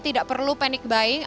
tidak perlu panik banget